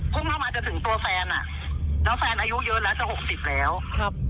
เข้ามาจะถึงตัวแฟนอ่ะแล้วแฟนอายุเยอะแล้วจะหกสิบแล้วครับ